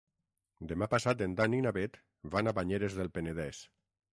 Demà passat en Dan i na Bet van a Banyeres del Penedès.